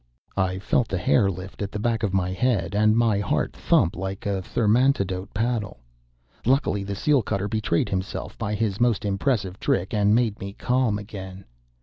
I felt the hair lift at the back of my head, and my heart thump like a thermantidote paddle. Luckily, the seal cutter betrayed himself by his most impressive trick and made me calm again.